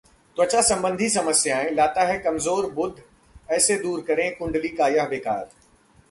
त्वचा संबंधी समस्याएं लाता है कमजोर बुध, ऐसे दूर करें कुंडली का यह विकार